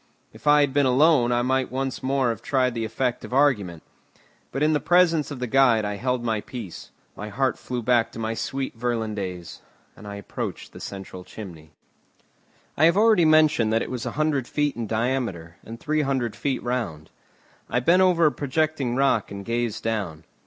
If I had been alone I might have once more tried the effect of argument; but in the presence of the guide I held my peace; my heart flew back to my sweet Virlandaise, and I approached the central chimney. I have already mentioned that it was a hundred feet in diameter, and three hundred feet round. I bent over a projecting rock and gazed down.